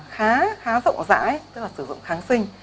sử dụng khá rộng rãi tức là sử dụng kháng sinh